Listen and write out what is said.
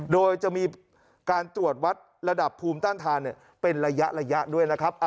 โดยจะมีการตรวจวัดระดับภูมิต้านทานเป็นระยะด้วยนะครับ